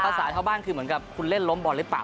แล้วสามารถเข้าบ้านคือเหมือนกับคุณเล่นล้มบอลหรือเปล่า